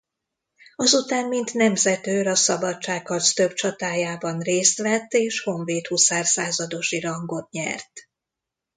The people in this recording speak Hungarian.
Azután mint nemzetőr a szabadságharc több csatájában részt vett és honvéd-huszár századosi rangot nyert.